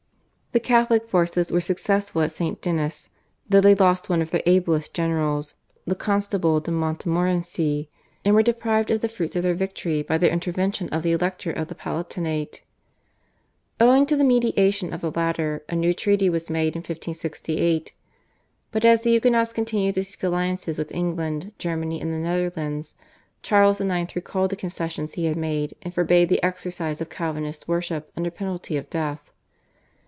The Catholic forces were successful at St. Denis though they lost one of their ablest generals, the Constable de Montmorency, and were deprived of the fruits of their victory by the intervention of the Elector of the Palatinate. Owing to the mediation of the latter a new treaty was made in 1568, but as the Huguenots continued to seek alliances with England, Germany, and the Netherlands, Charles IX. recalled the concessions he had made, and forbade the exercise of Calvinist worship under penalty of death.